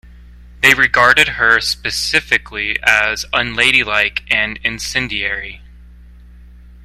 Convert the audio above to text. They regarded her specifically as unladylike and incendiary.